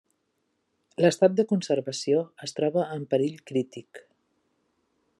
L'estat de conservació es troba en perill crític.